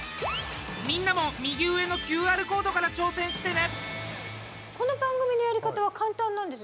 みんなも右上のＱＲコードから挑戦してね。